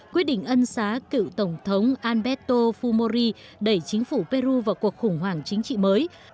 quyết định ân xá cựu tổng thống alberto fumori đẩy chính phủ peru vào cuộc khủng hoảng chính trị mới